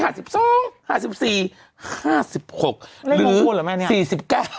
เลขมงคลเหรอแม่นี่อะ๔๙